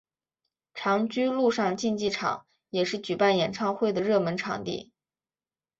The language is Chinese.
长居陆上竞技场也是举办演唱会的热门场地。